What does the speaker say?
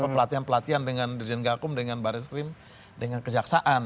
pelatihan pelatihan dengan dirjen gakum dengan baris krim dengan kejaksaan